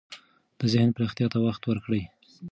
د ذهن پراختیا ته وخت ورکړئ.